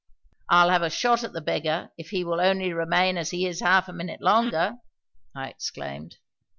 "I'll have a shot at the beggar if he will only remain as he is half a minute longer," I exclaimed.